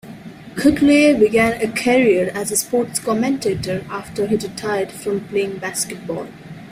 Kutluay began a career as a sports commentator, after he retired from playing basketball.